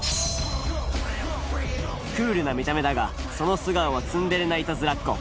クールな見た目だがその素顔はツンデレないたずらっ子。